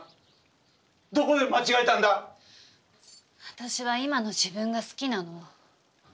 私は今の自分が好きなの。